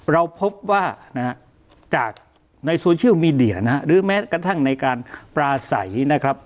เราพบว่านะฮะจากในนะฮะหรือแม้กระทั่งในการปลาใสนะครับ